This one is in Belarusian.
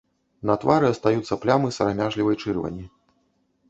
На твары астаюцца плямы сарамяжлівай чырвані.